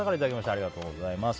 ありがとうございます。